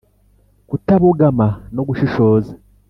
kutabogama no gushishoza.